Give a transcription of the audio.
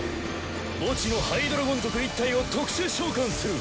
墓地のハイドラゴン族１体を特殊召喚する。